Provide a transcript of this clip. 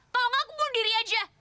kalau gak aku bunuh diri aja